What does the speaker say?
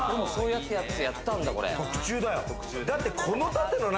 特注だよ。